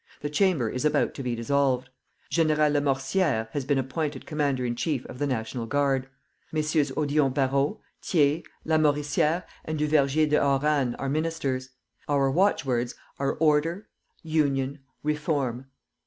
The Chamber is about to be dissolved. General Lamoricière has been appointed Commander in Chief of the National Guard. Messieurs Odillon Barrot, Thiers, Lamoricière, and Duvergier de Haurannes are ministers. Our watchwords are, Order, Union, Reform!